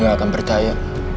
gue gak akan percaya